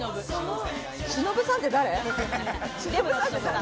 しのぶさんって誰？